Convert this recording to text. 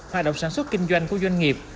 hoạt động sản xuất kinh doanh của doanh nghiệp